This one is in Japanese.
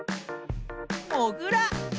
もぐら。